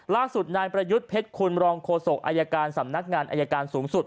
ล่าสุดนายประยุทธ์เพชรคุณรองโฆษกอายการสำนักงานอายการสูงสุด